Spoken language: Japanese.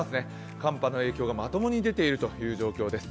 寒波の影響がまともに出ている状況です。